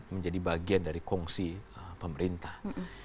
menjadi bagian dari kongsi pemerintah